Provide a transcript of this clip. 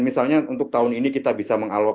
misalnya untuk tahun ini kita bisa mengalokasi